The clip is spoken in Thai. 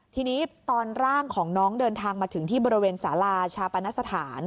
ทีนี้ตอนร่างของน้องเดินทางมาถึงที่บริเวณสาราชาปนสถาน